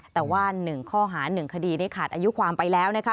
แต่ว่า๑ข้อหา๑คดีนี้ขาดอายุความไปแล้วนะคะ